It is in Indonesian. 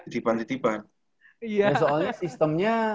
ditipan ditipan iya soalnya sistemnya